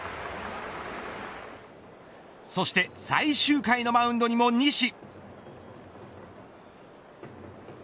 そして最終回のマウンドにも西。